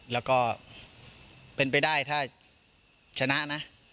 แล้วก็เป็นไปได้ถ้าชนะนะ